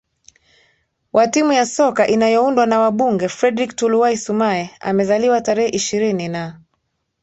wa timu ya soka inayoundwa na wabungeFrederick Tluway Sumaye amezaliwa tarehe ishirini na